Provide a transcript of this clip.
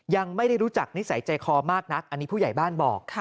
ยังไม่ได้รู้จักนิสัยใจคอมากนักอันนี้ผู้ใหญ่บ้านบอก